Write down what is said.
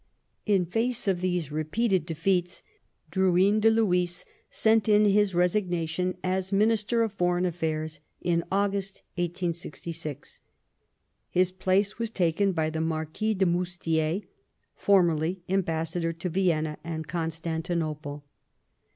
In face of these repeated defeats, Drou3m de Lhuys sent in his resignation as Minister of Foreign Affairs in August 1866. His place was taken by the Marquis de Moustier, formerly Ambassador to Vienna and Constantinople.